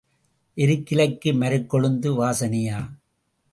எருக்கிலைக்கு மருக்கொழுந்து வாசனையா?